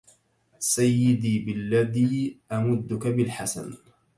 سيدي بالذي أمدك بالحسن